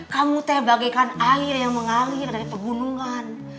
kamu teh bagaikan air yang mengalir dari pegunungan